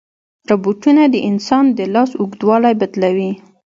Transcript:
روبوټونه د انسان د لاس اوږدوالی بدلوي.